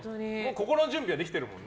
心の準備はできてるもんね。